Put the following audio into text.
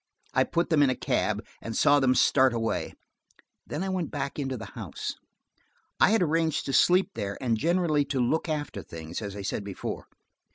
I put them in a cab, and saw them start away: then I went back into the house. I had arranged to sleep there and generally to look after things–as I said before.